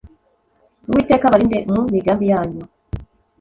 uwiteka abarinde mu migambi yanyu